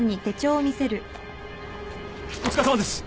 お疲れさまです！